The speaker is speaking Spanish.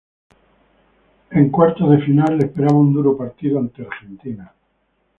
En Cuartos de final, le esperaba un duro partido ante Argentina.